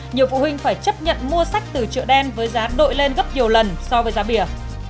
nhiều phụ huynh phải chấp nhận mua sách từ chợ đen với giá đội lên gấp nhiều lần so với giá bìa